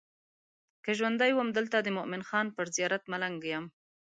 که ژوندی وم دلته د مومن خان پر زیارت ملنګه یم.